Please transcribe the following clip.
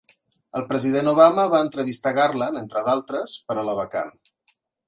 El president Obama va entrevistar Garland, entre d'altres, per a la vacant.